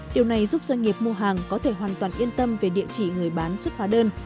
điều này giúp doanh nghiệp mua hàng có thể hoàn toàn yên tâm về địa chỉ người bán xuất hóa đơn